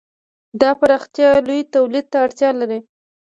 دا پراختیا لوی تولید ته اړتیا لري.